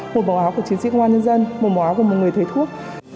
một màu áo của chiến sĩ công an nhân dân màu áo của một người thầy thuốc